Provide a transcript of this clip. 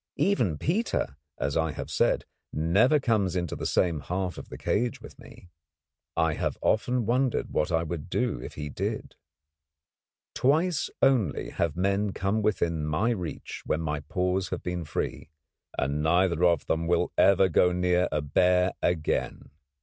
Even Peter, as I have said, never comes into the same half of the cage with me. I have often wondered what I would do if he did. Twice only have men come within my reach when my paws have been free, and neither of them will ever go too near a bear again.